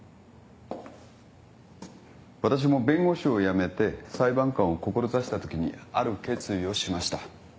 私も弁護士を辞めて裁判官を志したときにある決意をしました。